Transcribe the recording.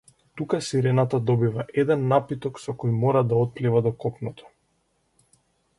Тука сирената добива еден напиток со кој мора да отплива до копното.